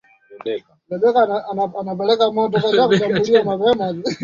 ni kwamba wananchi vile wanachukulia uchaguzi